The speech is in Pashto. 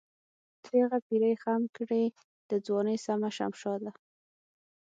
درېغه پيرۍ خم کړې دَځوانۍ سمه شمشاده